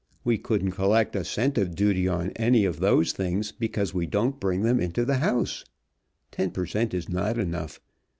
We couldn't collect a cent of duty on any of those things, because we don't bring them into the house. Ten per cent. is not enough.